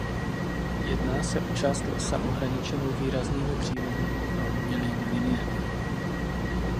Jedná se o část lesa ohraničenou výraznými přírodními a umělými liniemi.